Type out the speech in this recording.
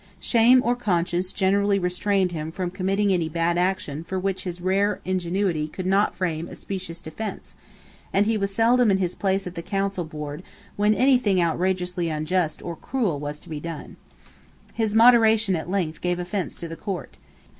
Shame or conscience generally restrained him from committing any bad action for which his rare ingenuity could not frame a specious defence; and he was seldom in his place at the council board when any thing outrageously unjust or cruel was to be done. His moderation at length gave offence to the Court.